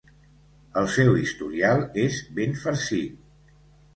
El seu historial és ben farcit.